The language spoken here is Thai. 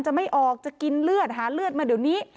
จะไม่ออกจะกินเลือดหาเลือดมาเดี๋ยวนี้